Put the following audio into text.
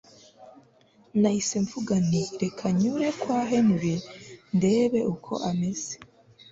nahise mvuga nti reka nyure kwa Henry ndebe uko ameze